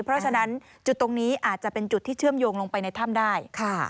เพราะฉะนั้นจุดตรงนี้อาจจะเป็นจุดที่เชื่อมโยงลงไปในถ้ำได้